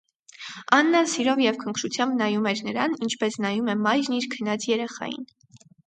Աննան սիրով և քնքշությամբ նայում էր նրան, ինչպես նայում է մայրն իր քնած երեխային: